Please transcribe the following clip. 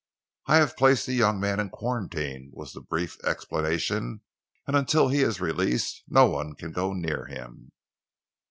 "I have placed the young man in quarantine," was the brief explanation, "and until he is released no one can go near him."